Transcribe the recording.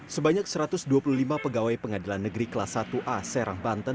sebanyak satu ratus dua puluh lima pegawai pengadilan negeri kelas satu a serang banten